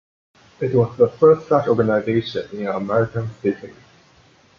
It was the first such organization in an American city.